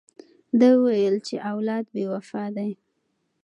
ده وویل چې اولاد بې وفا دی.